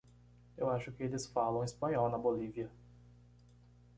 Eu acho que eles falam espanhol na Bolívia.